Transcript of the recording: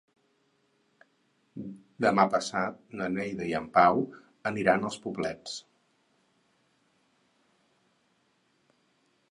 Demà passat na Neida i en Pau aniran als Poblets.